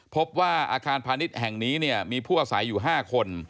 พบว่าอาคารพาณิชย์แห่งนี้มีผู้อาศัยอยู่๕คน